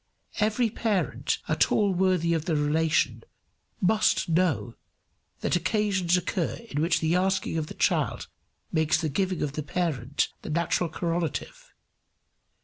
Every parent at all worthy of the relation must know that occasions occur in which the asking of the child makes the giving of the parent the natural correlative.